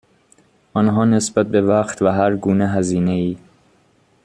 آنها نسبت به وقت و هرگونه هزینه ای